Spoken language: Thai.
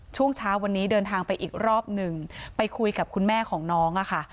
ช่วงเช้าวันนี้เดินทางไปอีกรอบหนึ่งไปคุยกับคุณแม่ของน้องอะค่ะ